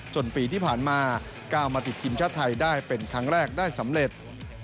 ปีที่ผ่านมาก้าวมาติดทีมชาติไทยได้เป็นครั้งแรกได้สำเร็จ